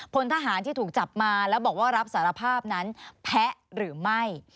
พลทหารที่ถูกจับมาแล้วบอกว่ารับสารภาพนั้นแพ้หรือไม่